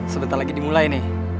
sebentar lagi dimulai nih